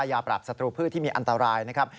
ยาปรับศัตรูพืชที่มีอันตรายนะครับ